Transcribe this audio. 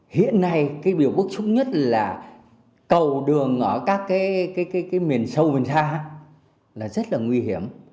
hiện nay cái biểu bức chúc nhất là cầu đường ở các cái cái cái cái miền sâu miền xa là rất là nguy hiểm